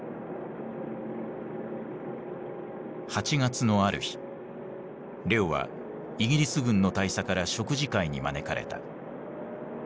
８月のある日レオはイギリス軍の大佐から食事会に招かれた。